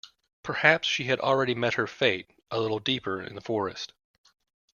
Perhaps she had already met her fate a little deeper in the forest.